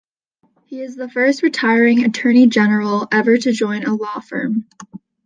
He is the first retiring Attorney General ever to join a law firm.